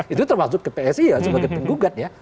itu termasuk ke psi ya sebagai penggugat ya